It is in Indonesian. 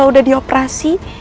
kalau udah di operasi